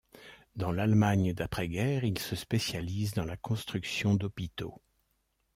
Dans l'Allemagne d'après-guerre, il se spécialise dans la construction d'hôpitaux.